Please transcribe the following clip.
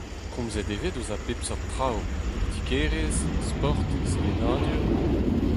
Komzet e vez eus a bep seurt traoù : politikerezh, sport, sevenadur.